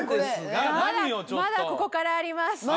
まだここからあります。